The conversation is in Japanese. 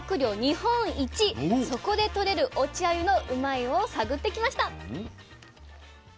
そこでとれる落ちあゆのうまいッ！を探ってきました。